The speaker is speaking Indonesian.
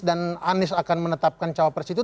dan anies akan menetapkan cowok fresh itu